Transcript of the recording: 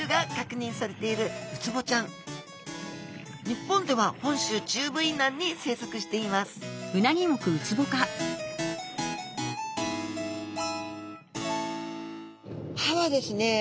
日本では本州中部以南に生息しています歯はですね